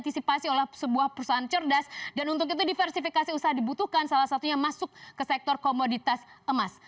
antisipasi oleh sebuah perusahaan cerdas dan untuk itu diversifikasi usaha dibutuhkan salah satunya masuk ke sektor komoditas emas